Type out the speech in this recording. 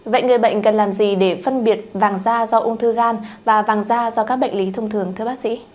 vậy người bệnh cần làm gì để phân biệt vàng da do ung thư gan và vàng da do các bệnh lý thông thường thưa bác sĩ